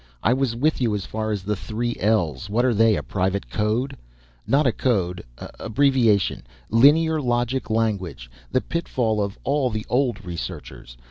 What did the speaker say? "I was with you as far as the 3L's. What are they? A private code?" "Not a code abbreviation. Linear Logic Language, the pitfall of all the old researchers.